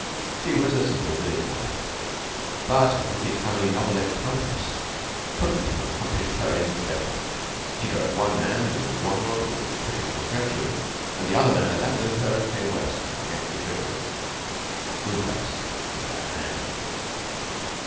She was a simple village wife, but a wicked "family novelette" countess couldn't have accomplished her ends better. She drove one man nearly wild with the pretty little treachery, and the other man abandoned her and came West to forget the trickery. Moon face was that man.